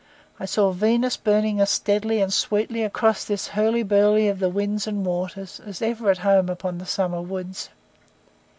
I saw Venus burning as steadily and sweetly across this hurly burly of the winds and waters as ever at home upon the summer woods.